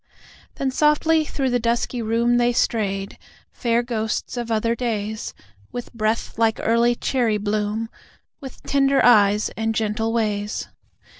Then softly through the dusky room They strayed, fair ghosts of other days, With breath like early cherry bloom, With tender eyes and gentle ways.